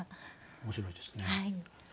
面白いですね。